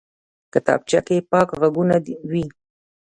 کتابچه کې پاک کاغذونه وي